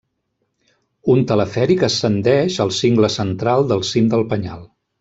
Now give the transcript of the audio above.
Un telefèric ascendeix al cingle central del cim del Penyal.